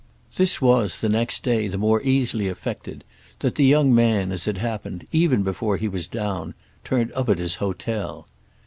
This was the next day the more easily effected that the young man, as it happened, even before he was down, turned up at his hotel.